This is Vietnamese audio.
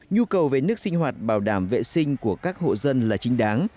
nhu cầu về nước sinh hoạt bảo đảm vệ sinh của các hộ dân là chính đáng